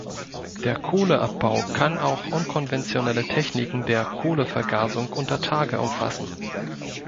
Der Kohleabbau kann auch unkonventionelle Techniken der Kohlevergasung unter Tage umfassen.